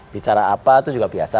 bicara apa itu juga biasa